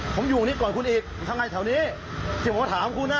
ผมอยู่นี่ก่อนคุณอีกทำไงแถวนี้ที่ผมก็ถามคุณนะ